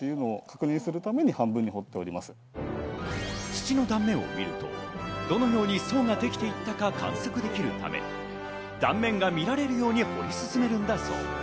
土の断面を見ると、どのように層ができていったか観測できるため、断面が見られるように掘り進めるんだそう。